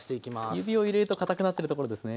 指を入れるとかたくなってるところですね。